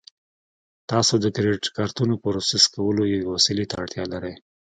تاسو د کریډیټ کارتونو پروسس کولو یوې وسیلې ته اړتیا لرئ